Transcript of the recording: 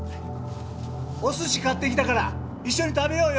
お寿司買ってきたから一緒に食べようよ！